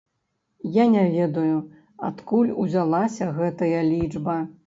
Я не ведаю, адкуль узялася гэтая лічба.